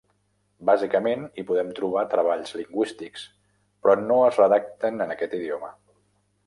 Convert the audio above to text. Bàsicament hi podem trobar treballs lingüístics, però no es redacten en aquest idioma.